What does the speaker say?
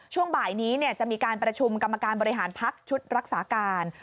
ช่วงบ่ายนี้จะมีการประชุมกรรมการบริหารพักชุดรักษาการ